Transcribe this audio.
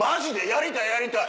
やりたいやりたい！